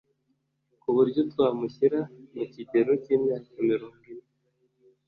kuburyo twamushyira mukigero cyimyaka mirongo ine